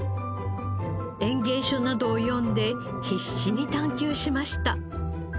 園芸書などを読んで必死に探究しました。